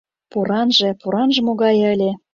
— Поранже, поранже могае ыле!